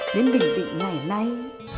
đến bình định ngày nay